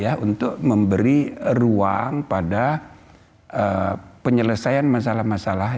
ya untuk memberi ruang pada penyelesaian masalah masalah